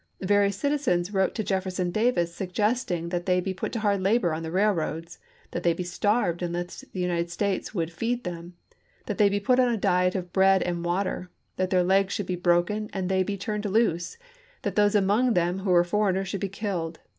Various citizens wrote to Jefferson Davis, suggesting that they be put to hard labor on the railroads; that they be starved unless the United States would feed them ; that they be put upon a diet of bread and water ; that their left legs should be broken and they be turned loose ; that those among them who were foreigners should be killed.